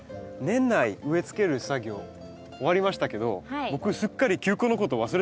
年内植えつける作業終わりましたけど僕すっかり球根のことを忘れてしまいました。